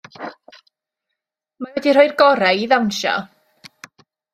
Mae wedi rhoi'r gorau i ddawnsio.